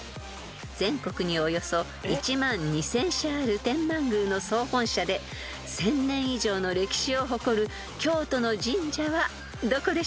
全国におよそ１万２，０００社ある天満宮の総本社で１０００年以上の歴史を誇る京都の神社はどこでしょう？］